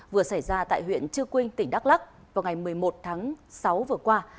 vừa xảy ra tại huyện chư quynh tỉnh đắk lắc vào ngày một mươi một tháng sáu vừa qua